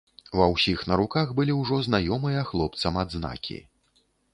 Ва ўсіх на руках былі ўжо знаёмыя хлопцам адзнакі.